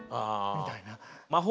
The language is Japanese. みたいな。